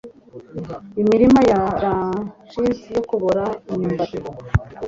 imirima ya rancid yo kubora imyumbati